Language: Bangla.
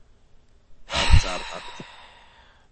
তার চার হাত।